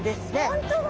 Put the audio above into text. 本当だ！